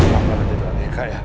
maafkan aku tidak mereka ya